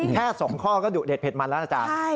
แค่๒ข้อก็ดุเด็ดเด็ดมันแล้วนะอาจารย์